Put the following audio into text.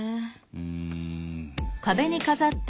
うん。